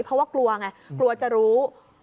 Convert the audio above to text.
เพราะว่ากลัวไงกลัวจะรู้